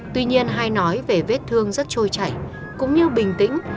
tuy nhiên hai nói về vết thương rất trôi chảy cũng như bình tĩnh